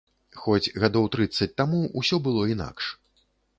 Хоць гадоў трыццаць таму ўсё было інакш.